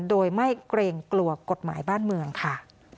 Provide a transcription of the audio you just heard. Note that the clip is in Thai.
โดยไม่เกรงกลัวกฎหมายบ้านเมืองค่ะ